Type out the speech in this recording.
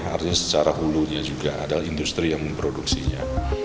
artinya secara hulunya juga adalah industri yang memproduksinya